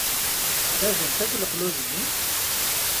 Sardent akk leqlud-nni?